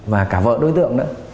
và cả vợ đối tượng nữa